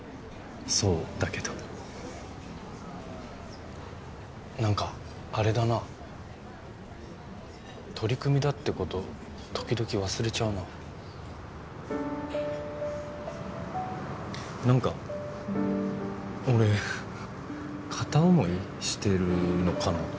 そうだけど何かあれだな取り組みだってこと時々忘れちゃうな何か俺片思い？してるのかな